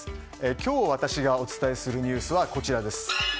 今日私がお伝えするニュースはこちらです。